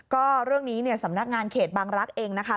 ก็เรื่องนี้เนี่ยสำนักงานเขตบางรักษ์เองนะคะ